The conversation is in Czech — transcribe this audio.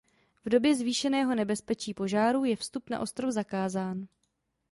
V době zvýšeného nebezpečí požárů je vstup na ostrov zakázán.